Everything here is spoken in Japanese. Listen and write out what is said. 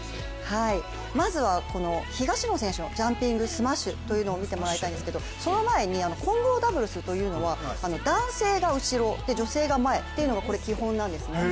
まずはこの東野選手のジャンピングスマッシュというのを見ていただきたいんですがその前に、混合ダブルスというのは男性が後ろで女性が前というのが基本なんですね。